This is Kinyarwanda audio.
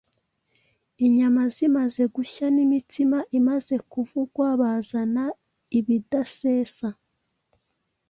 Inyama zimaze gushya n'imitsima imaze kuvugwa bazana ibidasesa